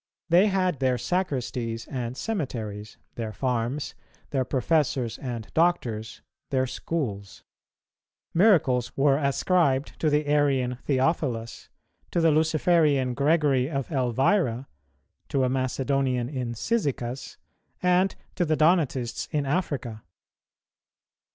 They had their sacristies and cemeteries; their farms; their professors and doctors; their schools. Miracles were ascribed to the Arian Theophilus, to the Luciferian Gregory of Elvira, to a Macedonian in Cyzicus, and to the Donatists in Africa.